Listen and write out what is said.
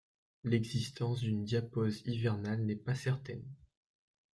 L'existence d'une diapause hivernale n'est pas certaine.